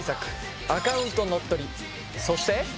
そして！